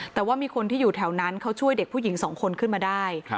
แต่ว่ามีคนที่อยู่แถวนั้นเขาช่วยเด็กผู้หญิงสองคนขึ้นมาได้